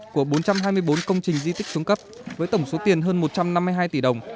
của bốn trăm hai mươi bốn công trình di tích xuống cấp với tổng số tiền hơn một trăm năm mươi hai tỷ đồng